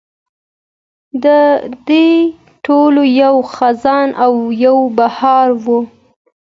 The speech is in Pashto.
د دې ټولو یو خزان او یو بهار و.